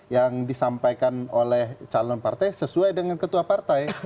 yang disampaikan oleh calon partai sesuai dengan ketua partai